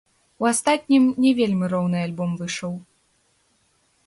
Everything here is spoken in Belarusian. У астатнім не вельмі роўны альбом выйшаў.